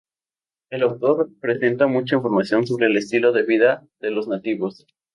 El autor presenta mucha información sobre el estilo de vida de los nativos.